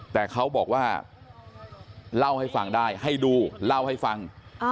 แต่เขาบอกว่าเล่าให้ฟังได้ให้ดูเล่าให้ฟัง